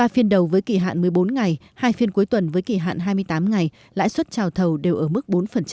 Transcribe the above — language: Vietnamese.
ba phiên đầu với kỳ hạn một mươi bốn ngày hai phiên cuối tuần với kỳ hạn hai mươi tám ngày lãi suất trào thầu đều ở mức bốn